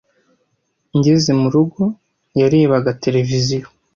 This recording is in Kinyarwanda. Ngeze mu rugo, yarebaga televiziyo.